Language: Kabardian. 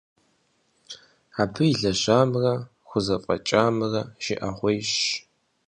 Абы илэжьамрэ, хузэфӀэкӀамрэ жыӀэгъуейщ.